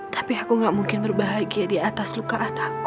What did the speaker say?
tapi aku gak mungkin berbahagia di atas lukaan aku